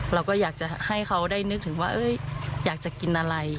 เราก็อยากจะให้เขาได้นึกถึงว่าอยากจะกินอะไร